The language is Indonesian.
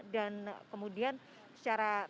dan kemudian secara